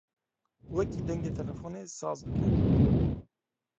Wekî dengê telefonê saz bike.